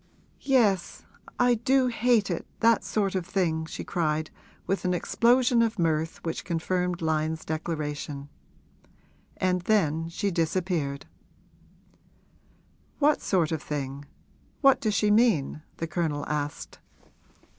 'Yes, I do hate it that sort of thing!' she cried with an explosion of mirth which confirmed Lyon's declaration. And then she disappeared. 'What sort of thing what does she mean?' the Colonel asked.